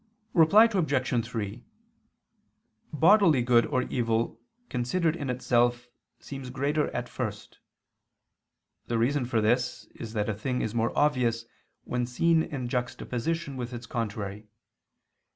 Reply Obj. 3: Bodily good or evil, considered in itself, seems greater at first. The reason for this is that a thing is more obvious when seen in juxtaposition with its contrary.